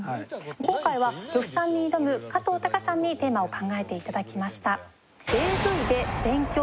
今回は呂布さんに挑む加藤鷹さんにテーマを考えて頂きました。